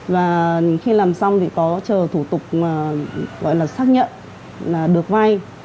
và khi làm xong thì có chờ thủ tục gọi là xác nhận là được vay